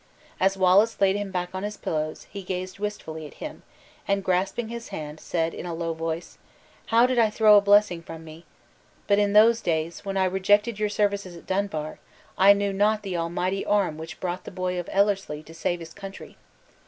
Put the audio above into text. As Wallace laid him back on his pillows, he gazed wistfully at him, and grasping his hand, said in a low voice: "How did I throw a blessing from me! But in those days, when I rejected your services at Dunbar, I knew not the Almighty arm which brought the boy of Ellerslie to save his country!